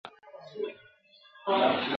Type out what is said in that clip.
له لارې دا ټول تحریفونه وننګول